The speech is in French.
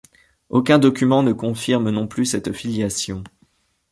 Aucun document ne confirme non plus cette filiation.